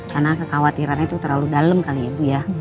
karena kekhawatirannya tuh terlalu dalem kali ya bu ya